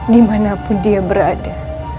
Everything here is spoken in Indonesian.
dimanapun dia berada